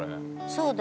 「そうだ。